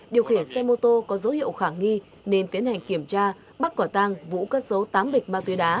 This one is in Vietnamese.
điều khiển xe mô tô có dấu hiệu khả nghi nên tiến hành kiểm tra bắt quả tang vũ cất dấu tám bịch ma túy đá